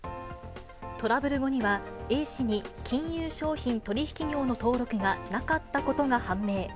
トラブル後には、Ａ氏に金融商品取引業の登録がなかったことが判明。